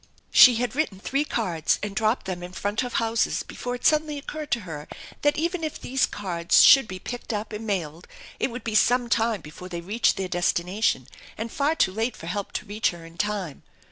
She had written three cards and dropped them in front of houses before it suddenly occurred to her that even if these cards should be picked up and mailed it would be sometime before they reached their destination and far too late for help to reach her in time.